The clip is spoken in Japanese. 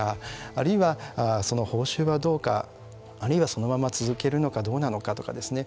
あるいはその報酬はどうかあるいはそのまま続けるのかどうなのかとかですね